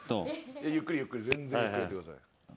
ゆっくりゆっくり全然ゆっくりやってください。